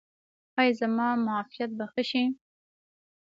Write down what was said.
ایا زما معافیت به ښه شي؟